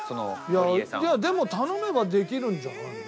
いやでも頼めばできるんじゃない？